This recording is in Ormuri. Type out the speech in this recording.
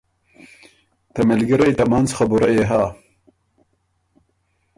ته مِلګِرئ ته منځ خبُره يې هۀ۔